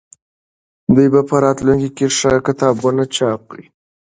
دوی به په راتلونکي کې ښه کتابونه چاپ کړي.